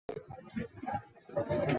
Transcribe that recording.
瑙吉鲍科瑙克。